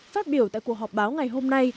phát biểu tại cuộc họp báo ngày hôm nay